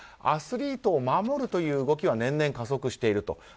アスリートを守るという動きは年々、加速していると。